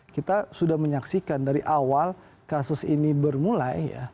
kita sudah menyaksikan dari awal kasus ini bermula